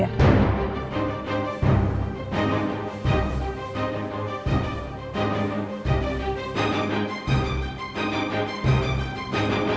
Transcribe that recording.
kamu cinta sama dia